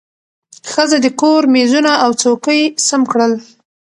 ښځه د کور مېزونه او څوکۍ سم کړل